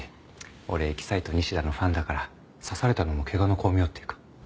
俺エキサイト西田のファンだから刺されたのも怪我の功名っていうか。